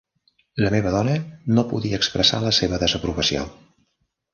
La meva dona no podia expressar la seva desaprovació.